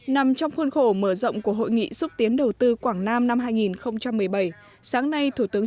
nằm trong khuôn khổ mở rộng của hội nghị xúc tiến đầu tư quảng nam năm hai nghìn một mươi bảy sáng nay thủ tướng